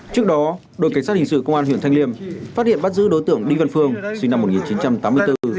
trước đó đội cảnh sát hình sự công an huyện thanh liêm phát hiện bắt giữ đối tượng đinh văn phương sinh năm một nghìn chín trăm tám mươi bốn